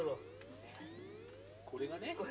これがね